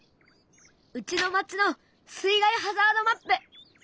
うちの町の水害ハザードマップ！